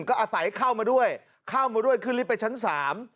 ก็อาศัยเข้ามาด้วยเข้ามาด้วยขึ้นลิฟต์ไปชั้นสาม